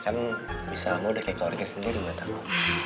kan bisa lama udah kayak keluarga sendiri gak tau